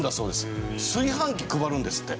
炊飯器配るんですって。